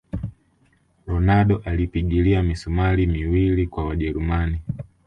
ronaldo alipigilia misumali miwili kwa wajerumani